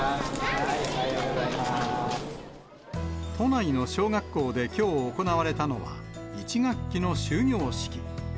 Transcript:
都内の小学校できょう行われたのは、１学期の終業式。